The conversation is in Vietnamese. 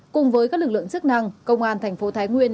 cùng với các lực lượng chức năng công an thành phố thái nguyên